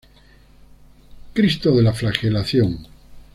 Cristo de la Flagelación.